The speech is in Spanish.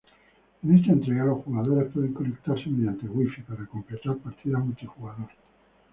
En esta entrega los jugadores pueden conectarse mediante WiFi para completar partidas multijugador.